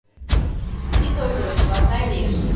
— Ит ойгыро, чыла сай лиеш.